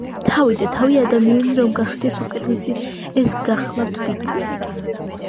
თავი და თავი, ადამიანი რომ გახდეს უკეთესი, ეს გახლავთ ბიბლია